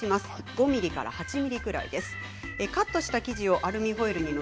５ｍｍから８ｍｍくらいです。